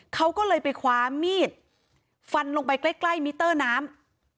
เขาก็เลยไปคว้ามีดฟันลงไปใกล้มิเตอร์น้ำ